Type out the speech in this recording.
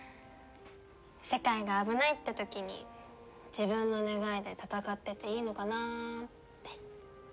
世界が危ないって時に自分の願いで戦ってていいのかなって。